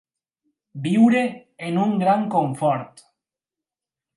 Viure en un gran confort.